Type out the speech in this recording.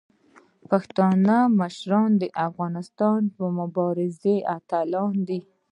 پښتني مشران د افغانستان د مبارزې اتلان دي.